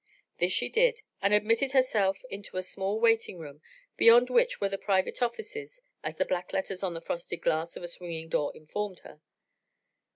This she did and admitted herself into a small waiting room beyond which were the private offices, as the black letters on the frosted glass of a swinging door informed her.